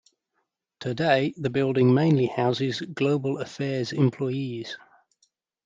Today the building mainly houses Global Affairs employees.